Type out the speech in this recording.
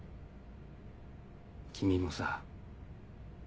君もさ